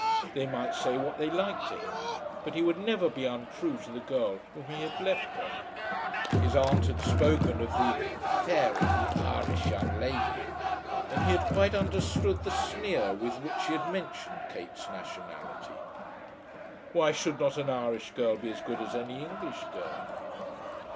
They might say what they liked to him, but he would never be untrue to the girl whom he had left there. His aunt had spoken of the "affair of the Irish young lady;" and he had quite understood the sneer with which she had mentioned Kate's nationality. Why should not an Irish girl be as good as any English girl?